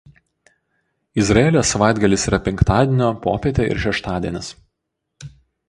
Izraelyje savaitgalis yra penktadienio popietė ir šeštadienis.